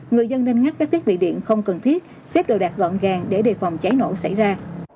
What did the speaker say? người dân nên ngắt các thiết bị điện không cần thiết xếp đồ đạc gọn gàng để đề phòng cháy nổ xảy ra